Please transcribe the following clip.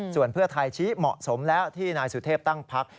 ส่วนเพื่อไทยชี้เหมาะสมแล้วที่นายสุเทพตั้งพัก